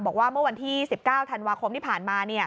บอกว่าเมื่อวันที่๑๙ธันวาคมที่ผ่านมา